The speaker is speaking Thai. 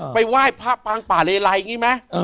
ไปไหว้พระปางป่าเลไลอย่างนี้ไหม